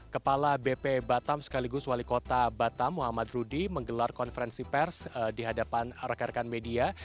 kepala bp batam sekaligus wali kota batam muhammad rudy menggelar konferensi pers di hadapan rekan rekan media